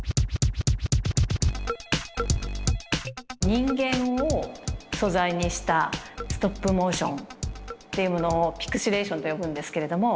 人間を素材にしたストップモーションっていうものをピクシレーションと呼ぶんですけれども。